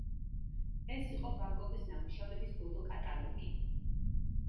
ეს იყო ვან გოგის ნამუშევრების ბოლო კატალოგი.